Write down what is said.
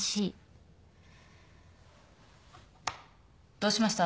どうしました？